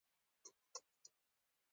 د غاښونو منظم برش کول د خولې صحت ساتي.